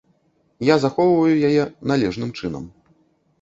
Я захоўваю яе належным чынам.